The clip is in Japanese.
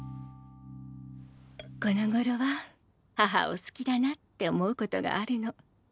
このごろは母を好きだなって思うことがあるの。